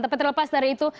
tapi terlepas dari itu